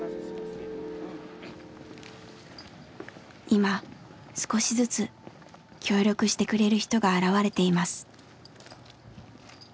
今少しずつ協力してくれる人が現れています。